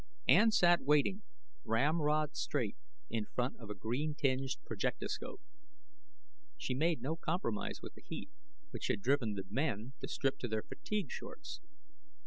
Ann sat waiting, ramrod straight, in front of a green tinged projectoscope. She made no compromise with the heat, which had driven the men to strip to their fatigue shorts.